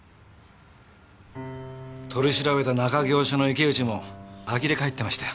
取り調べた中京署の池内もあきれ返ってましたよ。